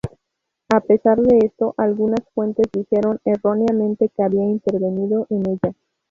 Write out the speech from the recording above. A pesar de esto algunas fuentes dijeron erróneamente que había intervenido en ella.